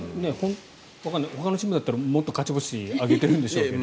ほかのチームだったらもっと勝ち星を挙げているんでしょうけど。